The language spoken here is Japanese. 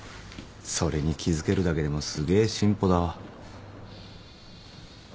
それに気付けるだけでもすげえ進歩だわ。